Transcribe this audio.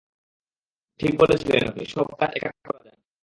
ঠিক বলেছিলেন আপনি, সব কাজ একা করা যায় না।